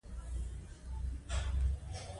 د اړتیا وړ توکي په ب ښار کې موندل کیدل.